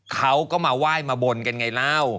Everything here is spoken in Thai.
เค้าก็มาไหว้มาบลกันไงเด้อ